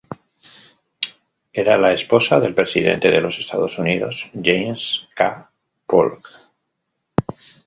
Era la esposa del presidente de los Estados Unidos, James K. Polk.